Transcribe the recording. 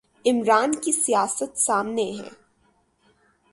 عمران کی سیاست سامنے ہے۔